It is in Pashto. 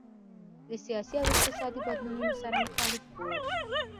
له سیاسي او اقتصادي بدلونونو سره مخالف وو.